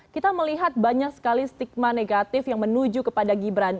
kita melihat banyak sekali stigma negatif yang menuju kepada gibran